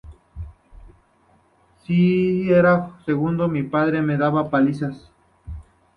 Si era segundo, mi padre me daba palizas.